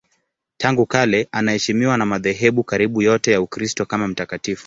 Tangu kale anaheshimiwa na madhehebu karibu yote ya Ukristo kama mtakatifu.